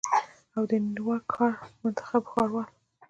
او د نیویارک ښار منتخب ښاروال